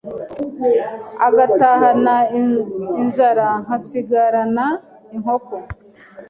agatahana inzara nkasigarana inkoko